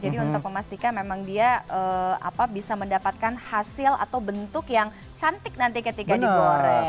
jadi untuk memastikan memang dia bisa mendapatkan hasil atau bentuk yang cantik nanti ketika digoreng